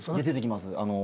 出てきます。